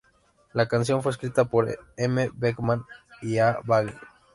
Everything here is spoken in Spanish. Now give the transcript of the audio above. La canción fue escrita por M. Beckman y A Bagge.